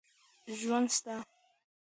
ژوند سته.